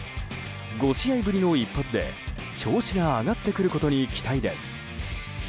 ５試合ぶりの一発で調子が上がってくることに期待です。